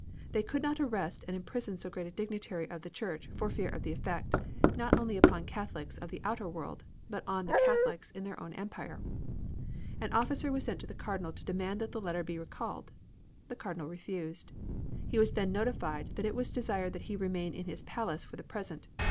They could not arrest and imprison so great a dignitary of the Church for fear of the effect, not only upon the Catholics of the outer world, but on the Catholics in their own empire. An officer was sent to the Cardinal to demand that the letter be recalled. The Cardinal refused. He was then notified that it was desired that he remain in his palace for the present.